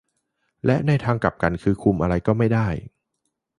และในทางกลับกันคือคุมอะไรก็ไม่ได้